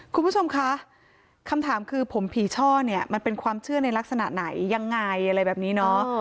คุณผู้ชมคะคำถามคือผมผีช่อเนี่ยมันเป็นความเชื่อในลักษณะไหนยังไงอะไรแบบนี้เนาะ